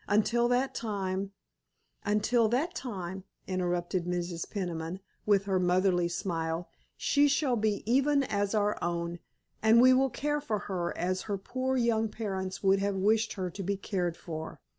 Until that time——" "—Until that time," interrupted Mrs. Peniman, with her motherly smile, "she shall be even as our own, and we will care for her as her poor young parents would have wished her to be cared for."